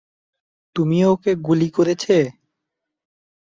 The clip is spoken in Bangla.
তুমি ওকে গুলি করেছে?